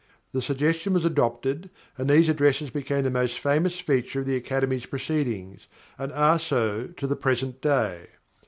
The suggestion was adopted, and these addresses became the most famous feature of the Academy's proceedings and are so to the present day.